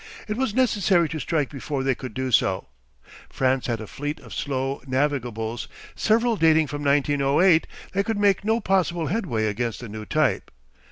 It was necessary to strike before they could do so. France had a fleet of slow navigables, several dating from 1908, that could make no possible headway against the new type.